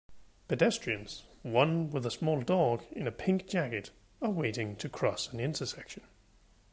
Pedestrians one with a small dog in a pink jacket are waiting to cross an intersection